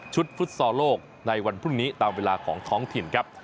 ฟุตซอลโลกในวันพรุ่งนี้ตามเวลาของท้องถิ่นครับ